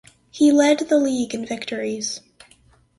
He led the league in victories.